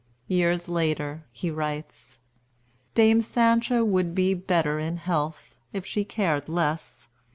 Years later, he writes: "Dame Sancho would be better in health, if she cared less.